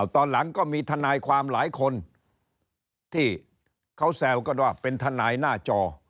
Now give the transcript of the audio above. ตอนหลังก็มีทนายความหลายคนที่เขาแซวกันว่าเป็นทนายหน้าจอ